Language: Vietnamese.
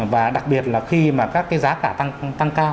và đặc biệt là khi mà các cái giá cả tăng cao